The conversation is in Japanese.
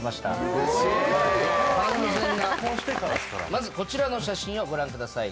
まずこちらの写真をご覧ください。